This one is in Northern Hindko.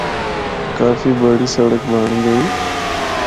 کافی بڑی سڑک بنڑ گئی۔